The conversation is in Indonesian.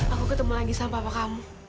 aku ketemu lagi sama apa kamu